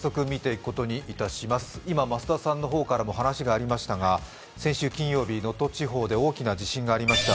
今、増田さんの方からも話がありましたが先週金曜日、能登地方で大きな地震がありました。